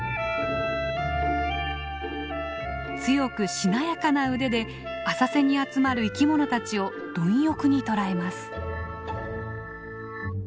強くしなやかな腕で浅瀬に集まる生きものたちを貪欲に捕らえます。